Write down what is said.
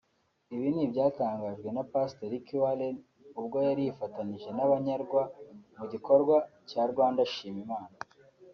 Ibi ni ibyatangajwe na pastor Rick Warren ubwo yari yifatanije n’abanyarwa mu gikorwa cya Rwanda Shima Imana